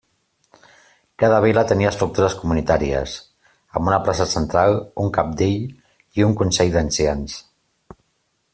Cada vila tenia estructures comunitàries, amb una plaça central, un cabdill i un Consell d'Ancians.